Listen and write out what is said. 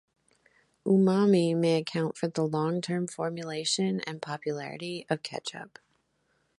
Umami may account for the long-term formulation and popularity of ketchup.